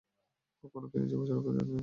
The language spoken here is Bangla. কখনো কি নিজের পোশাকের প্রতি ন্যায়বিচার করেছো?